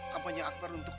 kampanye akter untuk